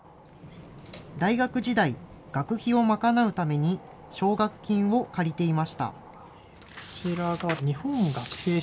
大学時代、学費を賄うために奨学金を借りていました。